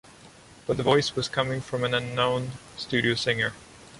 But the voice was coming from an unknown studio singer.